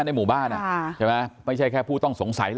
ในหมู่บ้านใช่ไหมไม่ใช่แค่ผู้ต้องสงสัยเห